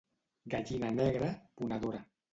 Gallina negra, ponedora.